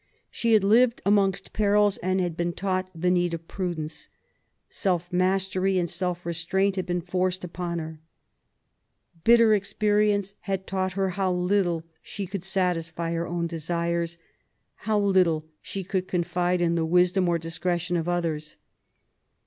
She had lived amongst perils, and bad been taught the need of prudence. Self 42 QUEEN ELIZABETH. mastery and self restraint had been forced upon her. Bitter experience had taught her how little she could satisfy her own desires, how little she could confide in the wisdom or discretion of others.